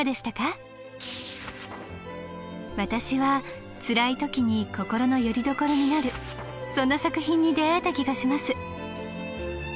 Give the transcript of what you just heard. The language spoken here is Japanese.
私はつらい時に心のよりどころになるそんな作品に出会えた気がします。